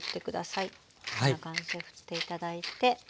こんな感じでふって頂いて。